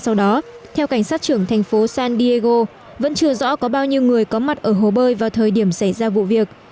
sau đó theo cảnh sát trưởng thành phố san diego vẫn chưa rõ có bao nhiêu người có mặt ở hồ bơi vào thời điểm xảy ra vụ việc